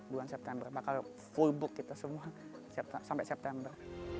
bulan september bakal full book kita semua sampai september